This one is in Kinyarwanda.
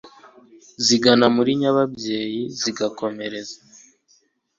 zigana muri nyababyeyi, zigakomereza